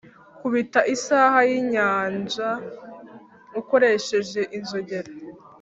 kubita isaha yinyanja ukoresheje inzogera.